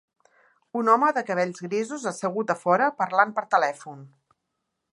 Un home de cabells grisos assegut a fora parlant per telèfon.